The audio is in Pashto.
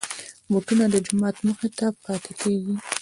بوټونه د جومات مخې ته پاتې کېږي.